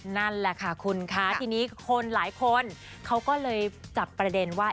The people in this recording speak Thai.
นั่นแหละค่ะคุณคะทีนี้คนหลายคนเขาก็เลยจับประเด็นว่า